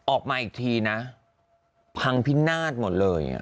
ออกมาอีกทีนะพังพินาศหมดเลย